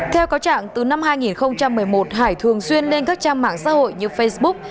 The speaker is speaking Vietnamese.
theo cáo trạng từ năm hai nghìn một mươi một hải thường xuyên lên các trang mạng xã hội như facebook